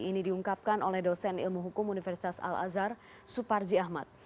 ini diungkapkan oleh dosen ilmu hukum universitas al azhar suparji ahmad